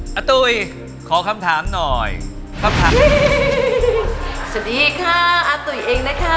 อาตุ๋ยขอคำถามหน่อยครับสวัสดีค่ะอาตุ๋ยเองนะคะ